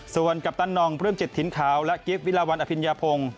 ส่วนกัปตันนองพรื่อมจิตถิ่นขาวและกิฟต์วิราวรรณอภิญภง